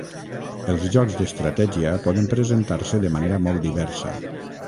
Els jocs d'estratègia poden presentar-se de manera molt diversa.